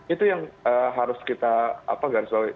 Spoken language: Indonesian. itu yang harus kita garis bawahi